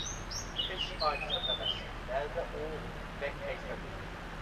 قىچىش ئاجىزلىق ئەمەس! بەزىدە ئو بەك قەيسەرلىك!